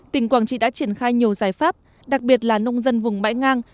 tỉnh quảng trị đã triển khai nhiều giải pháp đặc biệt là nông dân vùng bãi ngang